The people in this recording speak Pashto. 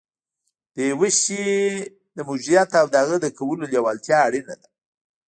د یوه شي د موجودیت او د هغه د کولو لېوالتیا اړینه ده